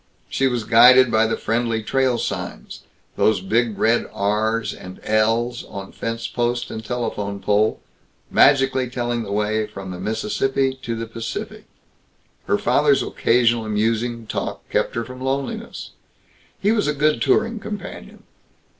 She was guided by the friendly trail signs those big red R's and L's on fence post and telephone pole, magically telling the way from the Mississippi to the Pacific. Her father's occasional musing talk kept her from loneliness. He was a good touring companion.